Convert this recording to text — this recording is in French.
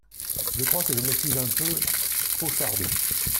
Je crois que je me suis un peu… pochardé !…